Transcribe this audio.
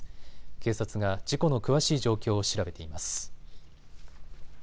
警察が事故の詳しい状況を調べています。